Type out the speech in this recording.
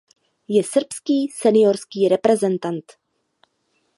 Je srbský seniorský reprezentant.